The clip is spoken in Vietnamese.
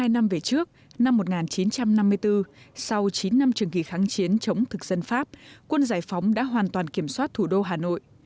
hai mươi năm về trước năm một nghìn chín trăm năm mươi bốn sau chín năm trường kỳ kháng chiến chống thực dân pháp quân giải phóng đã hoàn toàn kiểm soát thủ đô hà nội